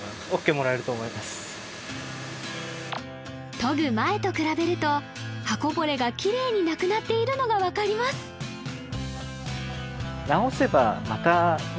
研ぐ前と比べると刃こぼれがきれいになくなっているのが分かります直せばまたね